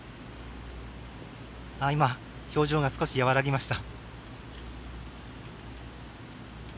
今、表情が少し和らぎました。